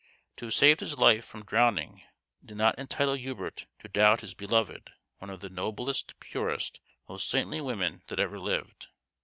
To have saved his life from drowning did not entitle Hubert to doubt his" beloved one of the noblest, purest, most saintly women that ever lived.